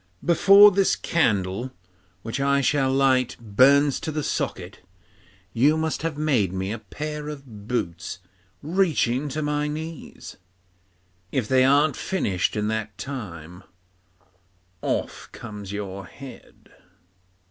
Before this candle, which I shall light, burns to the socket, you must have made me a pair of boots reaching to my knees. If they aren't finished in that time, off comes your head.